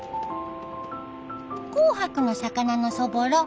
紅白の魚のそぼろ。